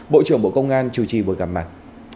bộ trưởng bộ công an chủ trì bồi cảm mặt